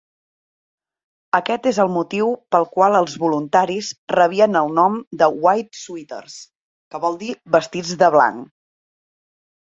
Aquest és el motiu pel qual els voluntaris rebien el nom de "White Suiters", que vol dir vestits de blanc.